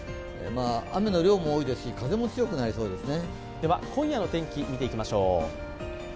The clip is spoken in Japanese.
雨の量も多いですし、風も強くなりそうですね。